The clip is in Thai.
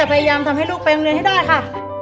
แม่คนนี้จะพยายามทำให้ลูกไปโรงเรียนให้ได้ค่ะ